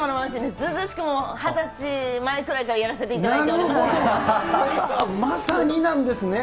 ずうずうしくも、２０歳前ぐらいからやらせていただいておりましまさになんですね。